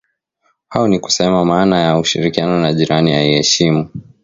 hao ni kusema maana ya ushirikiano na jirani aiheshimu